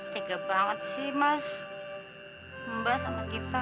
tiga banget sih mas membahas sama kita